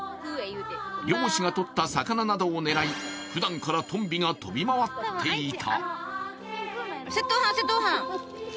漁師がとった魚などを狙い、ふだんからトンビが飛び回っていた。